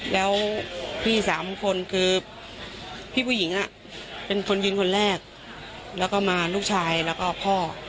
แล้วพี่สามคนคือพี่ผู้หญิงเป็นคนยิงคนแรกแล้วก็มาลูกชายแล้วก็พ่อ